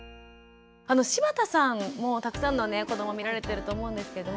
柴田さんもたくさんのね子ども見られてると思うんですけれども。